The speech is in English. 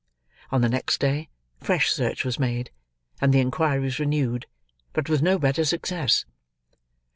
On the next day, fresh search was made, and the inquiries renewed; but with no better success.